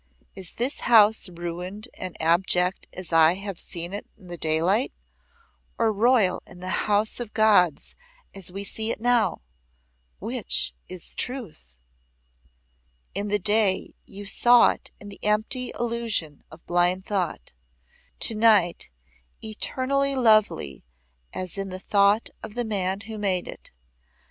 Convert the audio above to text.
Is this house ruined and abject as I have seen it in the daylight, or royal and the house of Gods as we see it now? Which is truth?" "In the day you saw it in the empty illusion of blind thought. Tonight, eternally lovely as in the thought of the man who made it.